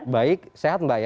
baik sehat mbak ya